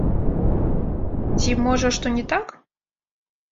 Ці, можа, што не так?